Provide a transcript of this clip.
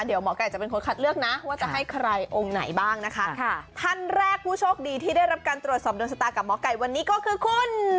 เดี๋ยวหมอไก่จะเป็นคนคัดเลือกนะว่าจะให้ใครองค์ไหนบ้างนะคะท่านแรกผู้โชคดีที่ได้รับการตรวจสอบโดนชะตากับหมอไก่วันนี้ก็คือคุณ